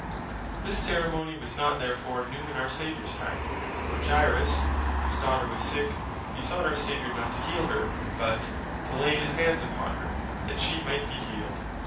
This ceremony was not therefore new in our Saviours time. For Jairus (Mark 5.23.) whose daughter was sick, besought our Saviour (not to heal her, but) "to Lay his Hands upon her, that shee might bee healed."